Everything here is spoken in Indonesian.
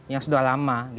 yang sudah lama